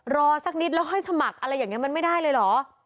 รอสักนิดแล้วให้สมัครอะไรอย่างนี้มันไม่ได้เลยเหรอ